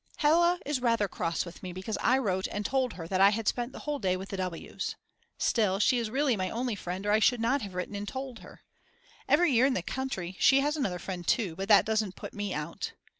Hella is rather cross with me because I wrote and told her that I had spent the whole day with the W's. Still, she is really my only friend or I should not have written and told her. Every year in the country she has another friend too, but that doesn't put me out.